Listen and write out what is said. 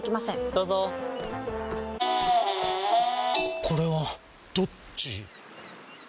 どうぞこれはどっち？